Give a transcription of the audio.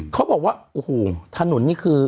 เขาบอกว่าโอ้โหถนนนี่คือ